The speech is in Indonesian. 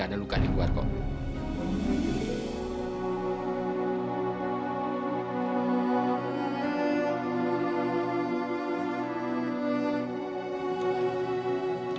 yang jelas gak ada luka di luar kombo